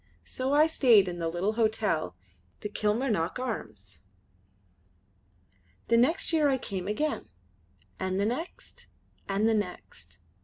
So I stayed in the little hotel, the Kilmarnock Arms. The next year I came again, and the next, and the next.